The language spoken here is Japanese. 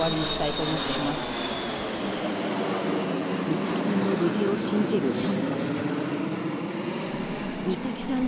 美咲さんの無事を信じるとも子さん。